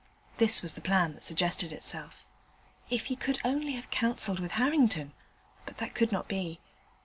This was the plan that suggested itself. If he could only have counselled with Harrington! but that could not be.